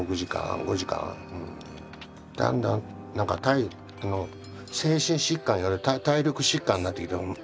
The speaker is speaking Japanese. だんだん精神疾患より体力疾患なってきたもん。